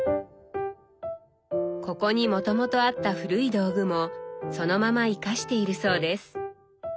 ここにもともとあった古い道具もそのまま生かしているそうです。